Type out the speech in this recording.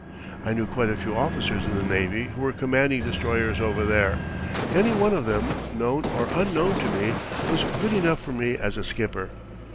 I knew quite a few officers in the navy who were commanding destroyers over there. Any one of them, known or unknown to me, was good enough for me as a skipper.